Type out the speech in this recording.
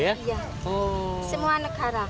iya semua negara